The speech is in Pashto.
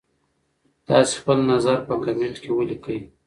تاسي خپل نظر په کمنټ کي ولیکئ.